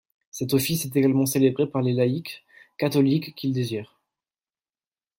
Cet office est également célébré par les laïcs catholiques qui le désirent.